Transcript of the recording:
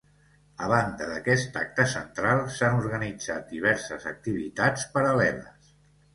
A banda d’aquest acte central, s’han organitzat diverses activitats paral·leles.